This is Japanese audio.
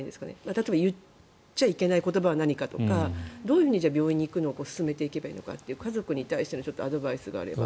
例えば言っちゃいけない言葉は何かとかどういうふうに病院に行くのを勧めればいいのかとか家族に対してのアドバイスがあれば。